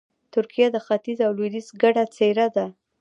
ترکیه د ختیځ او لویدیځ ګډه څېره ده.